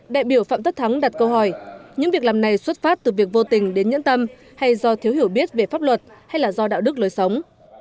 đại biểu phạm tất thắng đặt câu hỏi những việc làm này xuất phát từ việc vô tình đến nhẫn tâm hay do thiếu hiểu biết về pháp luật hay là do đạo đức lối sống